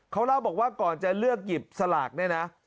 เขาเล่าบอกว่าก่อนจะเลือกหยิบสลากเนี่ยนะ